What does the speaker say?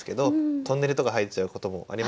トンネルとか入っちゃうこともありますもんね。